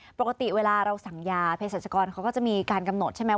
ปกติเวลาเราสั่งยาเพศรัชกรเขาก็จะมีการกำหนดใช่ไหม